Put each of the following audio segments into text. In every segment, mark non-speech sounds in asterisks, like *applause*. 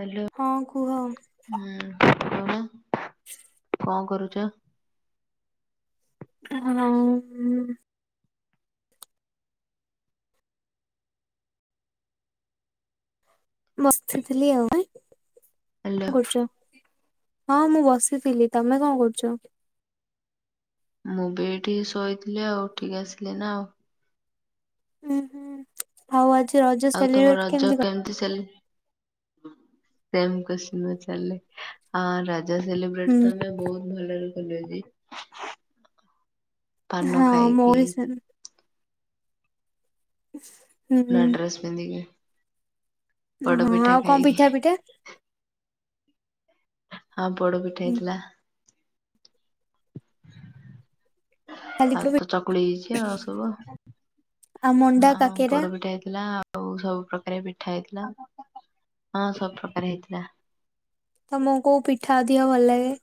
Hello. ହଁ କୁହ। ହୁଁ *inaudible* *unintelligible* କଣ କରୁଛ। *unintelligible* ମସ୍ତିଥିଲି ଆଉ। ହାଲୋ। *inaudible* ହଁ ମୁଁ ବସିଥିଲି ତମେ କଣ କରୁଚ? ମୁଁ ବି ଏଇଠି ଶୋଇଥିଲି ଆଉ ଉଠିକି ଆସିଲି ଏଇନା ଆଉ। ଉ ହୁଁ ଆଉ ଆଜି ରଜ ଆଉ ତମ ସେଲିବ୍ରେଟ ରଜ କ କେମିତି ସେଲି ହଁ ସେମ କୋଶ୍ଚିନ୍ ପଚାରିଲି ରଜ ସେଲ୍ ବ୍ରେ ହୁଁ ବ୍ରେଡ ଆମେ ବହୁତ ଭଲରେ କଲୁ ଆଜି। ପାନ ହଁ ଖାଇକି ମୋରି ସେ ଇଶ ନୂଆ ଡ୍ରେସ ପିନ୍ଧିକି, ପଡ ହଁ ଆଉ ପିଠା କଣ ଖାଇକି। ପିଠା ହଁ ପୋଡ ପିଠା ହୁଁ ହେଇଥିଲା। ଖାଲି ଆଉ ପି ତ ଚକୁଳି ହେଇଛି ଆଉ ସବୁ। ଆଉ ମଣ୍ଡା ହଁ ହଁ କାକେରା ପୋଡପିଠା ହେଇଥିଲା। ଆଉ ସବୁ ପ୍ରକାର ପିଠା ହେଇଥିଲା ହଁ ସବୁପକାର ହେଇଥିଲା। ତମକୁ କୋଉ ପିଠା ଅଧିକ ଭଲ ଲାଗେ।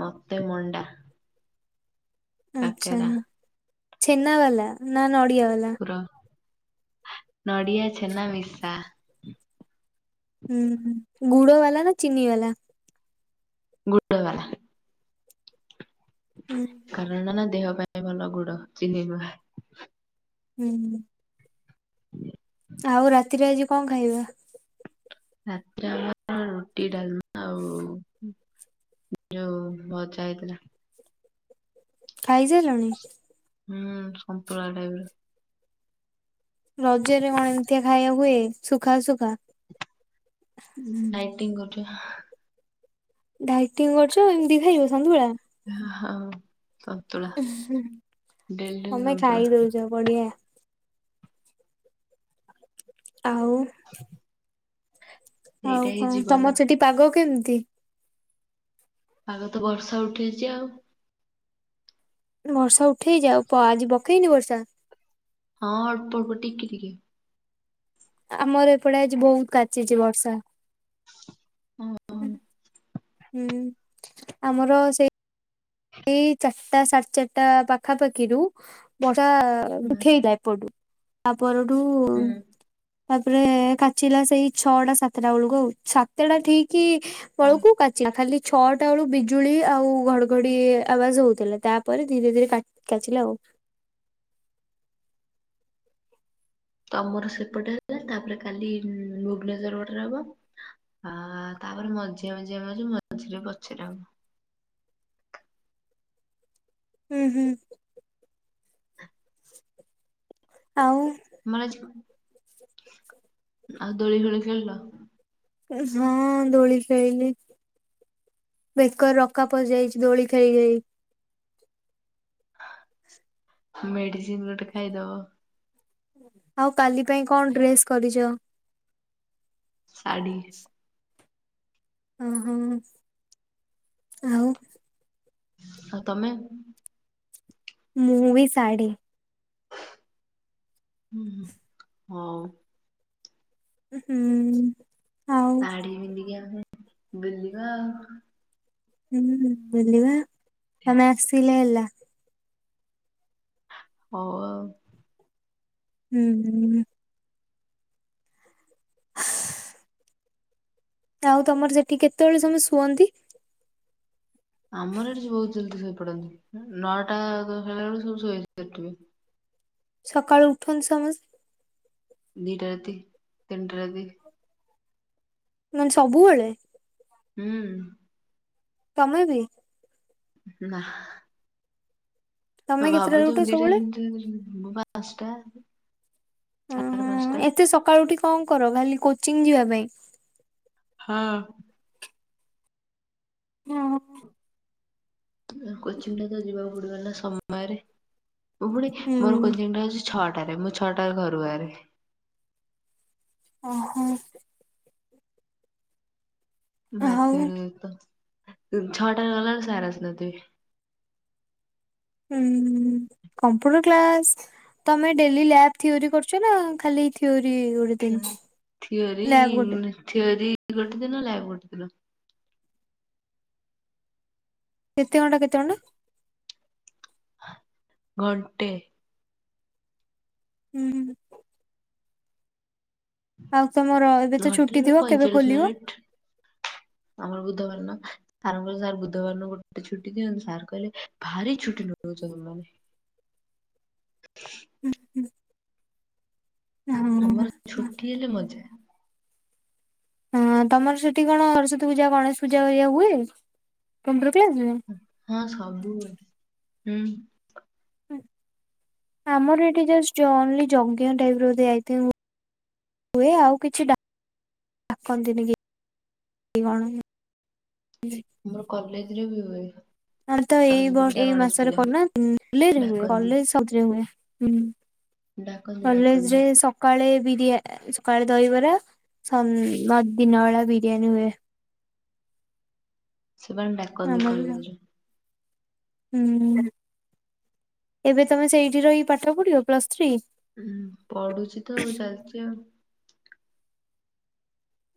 ମତେ ମଣ୍ଡା। ଆଚ୍ଛା କାକେରା ଛେନା ବାଲା ନା ନଡ଼ିଆ ବାଲା। ପ୍ର ନଡିଆ ଛେନା ମିସା ହୁଁ ଗୁଡ ବାଲା ନା ଚିନି ବାଲା। ଗୁଡ଼ ବାଲା। ହୁଁ କାରଣ ନା ଦେହ ପାଇଁ ଭଲ ଗୁଡ ଚିନହ୍ନି ନୁଆଁ। ହୁଁ ଆଉ ରାତିରେ ଆଜି କଣ ଖାଇବ। ରାତିରେ ଆମର ରୁଟି ଡାଲମା ଆଉ ଯୋଉ ଭଜା ହେଇଥିଲା। ଖାଇସାଇଲଣି। ହୁଁ ସନ୍ତୁଳା ଟାଇପ ର। ରଜରେ କଣ ଏମିତିଆ ଖାଇବା ହୁଏ ସୁଖା ଶୁଖା। ଡିଇଟିଙ୍ଗ କରୁଛି। ଡାଇଟିଂ କରୁଛ ଏମିତିି ଖାଇବ ସନ୍ତୁଳା। ହଁ ହଁ। ଡେଲି ଡେଲି ତମେ ସନ୍ତୁଳା। ଖାଇ ଦଉଛ ବଢ଼ିଆ। ଆଉ ଆଉ ସେଇଟା ହିଁ କଣ ଜୀବନ ତମର ସେଠି ପାଗ କେମିତି? ପାାଗ ତ ବର୍ଷା ଉଠେଇଛି ଆଉ। ବର୍ଷା ଉଠେଇଛି ଆଉ ପ ଆଜି ପକେଇନି ବର୍ଷା। ହଁ ଅଳ୍ପ ଅଳ୍ପ ଟିକି ଟିକେ। ଆମର ଏପଟେ ଆଜି ବହୁତ କାଚିଛି ବର୍ଷା। ହୁଁ ଆମର ସେଇ ଏଇ ଚାରିଟା ସାଢେ ଚାରିଟା ପାଖାପାଖିରୁ ବର୍ଷା। ହୁଁ ଉଠେଇଥାଏ ଏପଟୁ ତା ପରଠୁ ହୁଁ ତାପରେ କାଚିଲା ସେଇ ଛଅଟା ସାତଟା ବେଳକୁ ଆଉ ସାତ ଟା ଠିକ ବଳକୁ କାଚ। ଚି ଛଟା ଛଅଟା ବେଳ ବିଜୁଳି ଆଉ ଘଡଘଡି। ବି ଆବାଜ ହଉଥିଲା ତାପରେ ଧୀରେ ଧୀରେ କା କାଚିଲା ଆଉ। ଆମର ସେପଟେ ହେଲା ତାପରେ କାଲି ଭୁବନେଶ୍ଵର ପଟେ ରହିବ। ଆହା ତାପରେ ମଝି ମଝିରେ ମଝି ମଝିରେ ପଛରେ ହବ। ହୁଁ ହୁଁ। ଆଉ। ମା ଝିଅ ଆଉ ଦୋଳି ଖୋଳି ଖେଳିଲ। ଉଉଁ ହଁ ଦୋଳି ଖେଳିଲି। ବେକରେ ରକା ପଶଯାଇଛି ଦୋଳି ଖେଳି ଖେଳି। *inaudible* ମେଡିସିନ ଗୋଟେ ଖାଇଦବ। ଆଉ କାଲି ପାଇଁ କଣ ଡ୍ରେସ୍ କରିଛ। ସାଢ଼ି। ଓ ହ ଆଉ। ଆଉ ତମେ। ମୁଭି ଶାଢ଼ୀ। *inaudible* ଉଉଁ ହଁ। ହୁଁ ଆଉ ଶାଢ ପିନ୍ଧିକି ଆମେ ବୁଲିବା ଆଉ। ହୁଁ ବଲିବା ତମେ ଆସିଲେ ହେଲା। ହଉ ଆଉ ହୁଁ ହୁଁ। *inaudible* ଆଉ ତମର ସେଠି କେତେବେଳେ ସବୁ ଶୁଅନ୍ତି। ଆମର ଏଠି ସବୁ ବହୁତ ଜଲଦି ଶୋଇପଡନ୍ତି ନଅଟା ହେଲା ବେଳକୁ ସବୁ ଶୋଇାରଥିବେ। ସକାଳୁ ଉଠନ୍ତି ସମସ୍ତେ। ଦିଟା ରାତି ତିନିଟା ରାତି। ମାନେ ସବୁବେଳେ। ହୁଁ ତମେ ବି? ନା ହା ତମେ ଆମେ କେତେଟାରେ ଭାବୁଛୁ ଉଠ ଦିଟା ସବୁବେଳେ? *inaudible* ଉଁ ଉଁ ପାଞ୍ଚଟା ଏତେ ସକାଳୁ ଉଠି କଣ କର ଖାଲି କୋଚିଂ ଯିବା ପାଇଁ। ହଁ। ହଁ। ଆ କୋଚିଂ ଟା ତ ଯିବାକୁ ପଡିବ ନା ସମୟରେ ମୁଁ ପୁଣି ମୋର ହୁଁ କୋଚିଂ ଟା ଛଅଟାରେ ମୁଁ ଛଅଟାରେ ଘରୁ ବାହାରେ। ଓହୋ। *inaudible* ଆଉ ଛଅଟା ରେ ଗଲାବେଳେ ସାର ଆସିନଥିବା।। ହୁଁ କମ୍ପ୍ୟୁଟର କ୍ଲାସ୍। ତମେ ଡେଲି ଲାବ୍ ଥିଓରି କରୁଛ ନା, ଖାଲି ଥିଓରି ଗୁ ଥିଓରି, ଥିଓରି ଗୋଟେ ଦିନ। ଲ୍ୟାବ ଗୋଟେ ଦିନ। କେତେ ଘଣ୍ଟା? କେତେ ଘଣ୍ଟା? ଘଣ୍ଟେ। ହୁଁ *inaudible* ଆଉ ତମର ଏବେ ତ ଘଣ୍ଟେ ଛୁଟି ନୁହଁ ଥିବ। କେବେ ପଇଁଚାଳିଶ ଖୋଲିବ? ମିନିଟ୍ ଆମର ବୁଧବାର ଦିନ। ସାର୍ ଙ୍କୁ କହିଲୁ ସାର୍ ବୁଧବାର ଦିନ ଗୋଟେ ଛୁଟି ଦିଅନ୍ତୁ। ସାର୍ କହିଲେ ଭାରି ଛୁଟି ନଉଛ ତମେ ମାନେ। ହୁଁ ହୁଁ ଆମର ଛୁଟି ହେଲେ ମଜା। ହଁ, ତମର ସେଠି କଣ ସରସ୍ଵତୀ ପୂଜା, ଗଣେଶ ପୂଜା ଇଆ ହୁଏ? କମ୍ପ୍ୟୁଟର କ୍ଲାସ୍ ରେ ହଁ ସବୁବେଳେ ହୁଁ ହଁ ଆମର ଏଠି ଜଷ୍ଟ ଓର୍ଲି ଯଜ୍ଞ ଟାଇପ ର ଦିଆ ହୁଏ। ଆଉ କିଛି ଡାକନ୍ତିନି କି। ଣ *unintelligible* ମୋର କଲେଜ ରେ ବି ହୁଏ। ହ ତ ଏଇ ସରସ୍ଵତୀ ବ ପୂଜା ଏଇ ଗଣେଶ ମାସରେ ପୂଜା କରୁ ନାହାନ୍ତି ଡାକନ୍ତି କଲେଜରେ ହୁଏ। ହୁଁ ଡାକନ୍ତିି, କଲେଜରେ ଡାକନ୍ତି। ସକାଳେ ବିରିୟ। ସକାଳେ ଦହିବରା। ସଂ ଦିନ ବଳା ବିରିୟାନୀ ହୁଏ। ସେମାନେ ଡାକନ୍ତି ଆମର କଲେଜରେ। ହୁଁ ଏବେ ତମେ ସେଇଠି ରହି ପାଠ ପଢିବ? Plus three. ଉଁ ପଢୁଛିତ ଆଉ ଚାଲିଚି ଆଉ।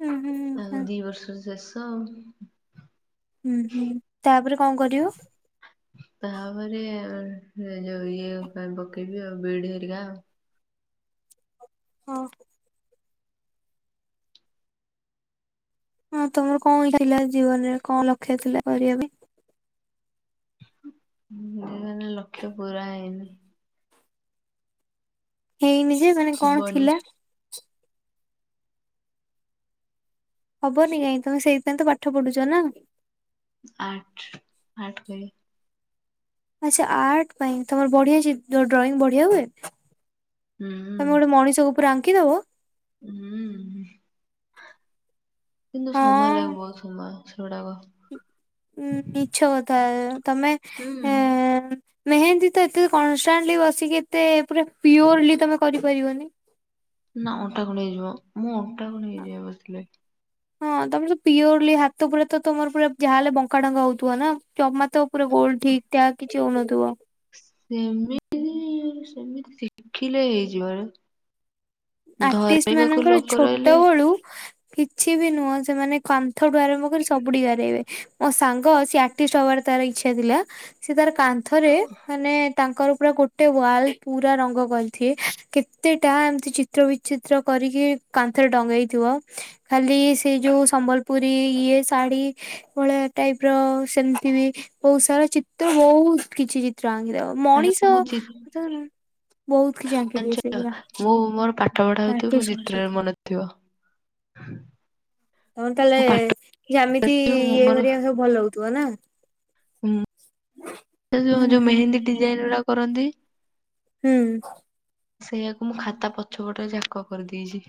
ହୁଁ ଆଉ ହୁଁ ଦି ବର୍ଷରେ ଶେଷ ଆଉ। ହୁଁ, ହୁଁ। ତାପରେ କଣ କରିବ? ତାପରେ ଯୋଉ ଇଏ ପକେଇବି ଆଉ। ବିଇଡି ହେରିକା ଆଉ। ଓ ହଁ ତମର କଣ ଥିଲା ଜୀବନ ରେ? କଣ ଲକ୍ଷ୍ୟ ଥିଲା କରିବା ପାଇଁ? ଜୀବନ ର ଲକ୍ଷ୍ୟ ପୁରା ହେଇନି। ହେଇନି ଯେ, ମାନେ କଣ ହବନି ଥିଲା ହବନି କାଇଁ ତମେ ସେଥିପାଇଁ ତ ପାଠ ପଢୁଛ ନା। ଆର୍ଟ, ଆର୍ଟ ପାଇଁ ଆଚଛା ଆର୍ଟ ପାଇଁ। ତମର ବଢିଆ ଛି ଡ୍ରଇଂ ବଢିଆ ହୁଏ? ହୁଁ ତମେ ଗୋଟେ ମଣିଷକୁ ଉପରେ ଆଙ୍କିଦବ? ହୁଁ କିନ୍ତୁ ହଁ ସମୟ ଲାଗିବ ବହୁତ ସମୟ ସେଗୁଡାକ। ଉଁ ମିଛକଥା ତମେ ହୁଁ ଏ ମେହେନ୍ଦୀ ତ ଏତେ କନଷ୍ଟାଣ୍ଟଲି ବସିକି ଏତେ ପୁରା ପିଓରଲି ତମେ କରିପାରିବନି। ନା ଅଣ୍ଟା କଣ ହେଇଯିବ। ମୁଁ ଅଣ୍ଟା କଣ ହେଇଯିବି ବସିଲେ। ହଁ। ହଁ ତମେ ତ ପିଓରଲି ହାତ ପୁରା ତ ତମର ପୁରା ଯାହା ହେଲେ ବଙ୍କା ଡଙ୍କା ହଉଥିବ ନା। ଜମା ତ ପୁରା ଗୋଲ ଠିକ୍ ଠାକ୍ କିଛି ହଉନଥିବ। ସେମିତି ସେମିତି ଶିଖିଲେ ହେଇଯିବ ରେ। ଆର୍ଟିଷ୍ଟ ମାନଙ୍କର ଲୋକ ରହିଲେ ଛୋଟ ବେଳୁ କିଛି ବି ନୁହଁ ସେମାନେ କାନ୍ଥଠୁ ଆରମ୍ଭ କରି ସବୁଠି ଗାରେଇବେ। ମୋ ସାଙ୍ଗ ସ ଆର୍ଟିଷ୍ଟ ହବାର ତାର ଇଚ୍ଛା ଥିଲା। ସେ ତାର କାନ୍ଥରେ ମାନେ ତାଙ୍କର ପୁରା ଗୋଟେ ୱାଲ ପୁରା ରଙ୍ଗ କରିଦିଏ। କେତେଟା ଏମତି ଚି ତ୍ର ବିଚିତ୍ର କରିକି କାନ୍ଥରେ ଟଙ୍ଗେଇଥିବ। ଖାଲି ସେ ଯୋଉ ସମ୍ବଲପୁରୀ ଇଏ ଶାଢୀ ଭଳିଆ ଟାଇପ ର ସେମତି ବି ବହୁତ ସାରା ଚିତ୍ର ବହୁତ କିଛିି ଚ୍ର ଆଙ୍କିଦବ ଆରେ ମଣିଷ ମୁଁ ଚି ଉଦାହରଣ ବହୁତ କିଛି ଆଙ୍କିଦିଏ ସେଗୁରା। ହଉ ମୋର ପାଠ ପଢା ଭିତରୁ ମୋ ଚିତ୍ରରେ ମନଥିବ। ହଁ ତାହେଲେ ଜ୍ୟାମିତି ମୁଁ ଇଏ ଗରିକା ସବୁ ଭଲ ହଉଥିବ ନା? ହୁଁ ସେ ଉଁ ଯୋଉ ଯୋଉ ହୁଁ। ମେହେନ୍ଦୀ ଡିଜାଇନ ଗୁଡାକ କରନ୍ତି। ହୁଁ। ସେଇଆକୁ ମୁଁ ଖାତା ପଛପଟ ଯାକ କରିଦେଇଛି।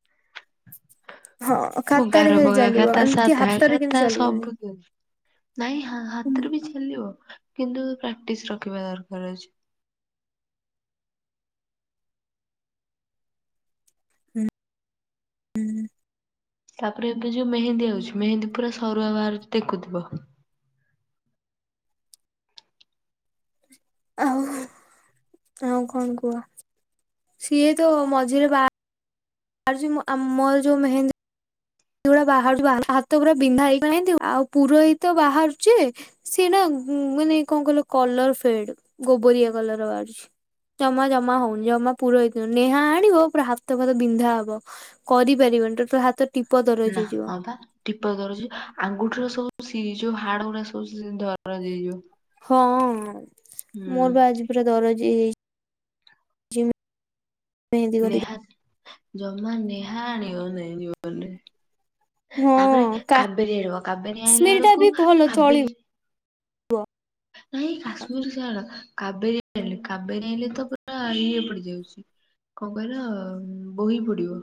*inaudible* ହଁ ମୁଁ ଖାତାରେ ଗାର ଖାଲି ପକା ଚାଲିବ ଖାତା ଏମିତି ସାଧା ହାତରେ କିନ୍ତୁ ଖାତା ଚାଲିବନି। ସବୁ ଥିରେ ନାଇଁ ହୁଁ ହା-ହାତରେ ବି ଚାଲିବ କିନ୍ତୁ ପ୍ରାକ୍ଟିସ ରଖିବା ଦରକାର ଅଛି। ହୁଁ। ତାପରେ ଏବେ ଯୋଉ ମେହେନ୍ଦୀ ଆଉଛି ମେହେନ୍ଦୀ ପୁରା ସରୁଆ ବାହରୁଛି ଦେକୁଥିବ। ଆଉ ଆଉ କଣ କୁହ? ସିଏ ତ ମଝିରେ ବା ଆରୁଛି ମୁଁ ଆମର ଯୋଉ ମେହେନ୍ଦି ଗୁଡା ବାହାରୁଛି ବାହାରୁ ହାତ ପୁରା ବିନ୍ଧା ହେଇଗଲାଣି ଯେମିତି, ଆଉ ପୁରୋହିତ ବାହାରୁଛି ସିଏ ନା ମାନେ କଣ କହିଲ କଲର ଫେଡ୍ ଗୋବରିଆ କଲର ବାହାରୁଛି। ଜମା ଜମା ହଉନି ଜମା ପୁରହିତ ନେହା ଆଣିବ ପୁରା ହାତ ପାତ ବିନ୍ଧା ହବ। କରିପାରିବନି ଟୋଟାଲ ହାତ ଟିପ ଦରଜ ନା ହେଇଯିବ। ହଁ ପା। ଟିପ ଦରଜ ଆଙ୍ଗୁଠିର ସବୁ ସି ଯଉ ହାଡ ଗୁଡା ସବୁ ସେ ଦରଜ ହେଇଯିବ। ହଁ ହୁଁ ମୋର ବା ଆଜି ପୁରା ଦରଜ ହେଇଯାଇଛି। ମେହେନ୍ଦି କରିକି ନେହା ଜମା ନେହା ଆଣିବ ନାହିଁ ଜୀବନରେ। ହଁ ତାପରେ କାବେରୀ ଆଣିବ କାବେରୀ ଆଣିଲା କାଶ୍ମୀର ଟା ବେଳକୁ ବି ଭଲ ଚଳିବ। କାବେରୀ ନାଇଁ କାଶ୍ମୀର ଛାଡ କାବେରୀ ଆଣିଲି କାବେରୀ ଆଣିଲେ ତ ପୁରା ଇଏ ପଡିଯାଉଛି। କଣ କହିଲ ବୋହି ପଡିବ।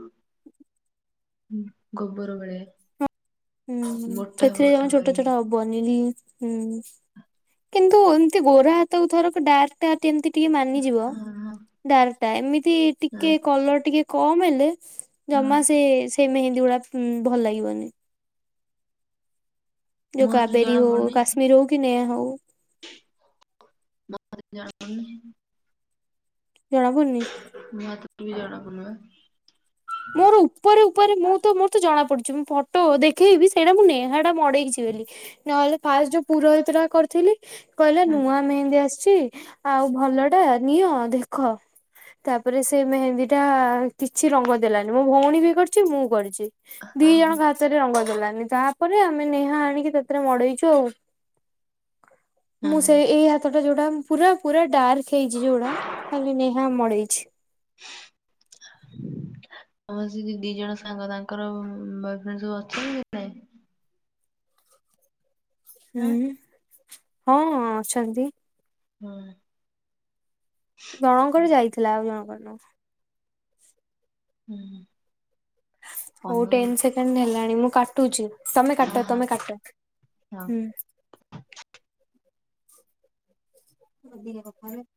ଗୋବର ବେଳେ। ହୁଁ ସେଥିପାଇଁ ଜମା ଛୋଟ ବାହାରିବ। ଛୋଟ ହବ। ବନିଲି ହୁଁ କିନ୍ତୁ ଏମତି ଗୋରା ହାତକୁ ଥରକ ଡାର୍କ ଟା କେମିତି ଟିକେ ମାନିଯିବ ହଁ ହଁ ଡାର୍କ ଟା ଏମିତି ହଁ ଟିକେ କଲର ଟିକେ କମ୍ ହେଲେ ହଁ ଜମା ସେ ସେ ମେହେନ୍ଦୀ ଗୁଡା ଭଲ ଲାଗିବନି। ଯୋଉ ମୋ ହାତରୁ କାବେରୀ ଜଣା ହଉ କାଶ୍ମୀର ହଉ କି ନେହା ହଉ। *unintelligible* ଜଣାପଡୁଛି। ଜଣା ପଡୁନି? ମୋ ହାତ ଟିକେ ବି ଜଣା ପଡୁନି ବା। ମୋର ଉପରେ ଉପରେ ମୁଁ ତ ମୋର ତ ଜଣା ପଡୁଛି ମୁଁ ଫଟୋ ଦେଖେଇବି ସେଇଟା ମୁଁ ନେହା ମଡେଇଛି ବୋଲି ନ ହେଲେ ଫାଷ୍ଟ ଯୋଉ ପୁରୋହିତଟା କରିଥିଲି କହିଲେ ନୂଆ ମେହେନ୍ଦି ଆସିଚି ଆଉ ଭଲଟା ନିଅ ଦେଖ। ତାପରେ ସେଇ ମେହେନ୍ଦୀଟା କିଛି ରଙ୍ଗ ଦେଲାନି ମୁଁ ଭଉଣୀ ବି କରିଛି ମୁଁ କରିଛି ଦି ଓହୋ ଜଣକ ହାତ ସେଠି ରଙ୍ଗ ଦେଲାନି ତାପରେ ଆମେ ନେହା ଆଣିକି ତାଥିରେ ମଡେଇଛୁ ଆଉ ମୁଁ ସେ ହଁ ଏଇ ହାତଟା ଯୋଉଟା ପୁରା ପୁରା ଡାର୍କ ହେଇଛି ଯୋଉଟା ଖାଲି ନେହା ମଡେଇଛି। *inaudible* ତମର ସେ ଦି ଜଣ ସାଙ୍ଗ ତାଙ୍କର ବୟଫ୍ରେଣ୍ଡ ସବୁ ଅଛନ୍ତି ନାଇଁ? ହୁଁ ହଁ ହଁ ଅଛନ୍ତି। ହୁଁ। ଜଣଙ୍କର ଯାଇଥିଲା ଆଉ ଜଣଙ୍କର ନୁହଁ। ହୁଁ ହୁଁ। ହଉ ଟେନ ସେକେଣ୍ଡ ହେଲାଣି ମୁଁ କାଟୁଛି? ତମେ ହଁ କାଟ ହଁ ତମେ କାଟ ହଁ। ହୁଁ। ଅଦିନିଆ କଥା ଗୁଡ଼ା।